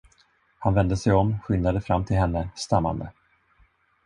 Han vände sig om, skyndade fram till henne, stammande.